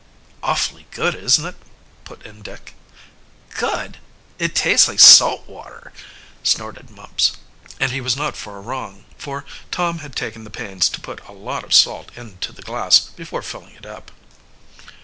"Awfully good, isn't it?" put in Dick. "Good? It tastes like salt water!" snorted Mumps. And he was not far wrong, for Tom had taken the pains to put a lot of salt in to the glass before filling it up.